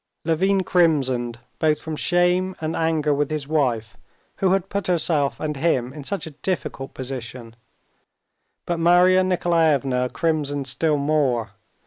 Levin crimsoned both from shame and anger with his wife, who had put herself and him in such a difficult position; but Marya Nikolaevna crimsoned still more.